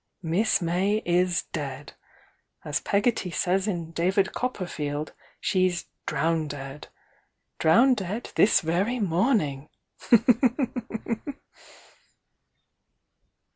Miss May is dead! As Pegotty says in 'David Copperfield,' she's 'drowndead.' 'Drowndead' this very morning!"